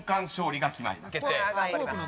頑張ります。